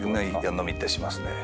飲み行ったりしますね。